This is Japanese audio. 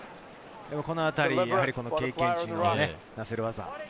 このあたり経験値のなせる技。